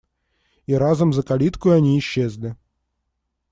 И разом за калиткою они исчезли.